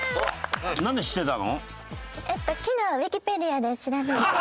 なんで知ってたの？